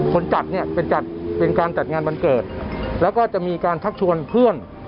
จัดเนี่ยเป็นจัดเป็นการจัดงานวันเกิดแล้วก็จะมีการชักชวนเพื่อน